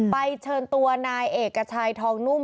ไปเชิญตัวนายเอกกระชายทองนุ่ม